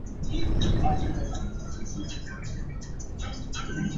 The aircraft was destroyed, and its two pilots killed.